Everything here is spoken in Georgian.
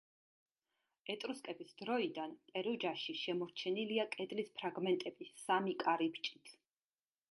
ეტრუსკების დროიდან პერუჯაში შემორჩენილია კედლის ფრაგმენტები სამი კარიბჭით.